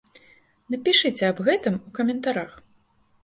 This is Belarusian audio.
Напішыце аб гэтым у каментарах!